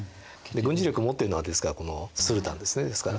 軍事力を持ってるのはですからこのスルタンですね。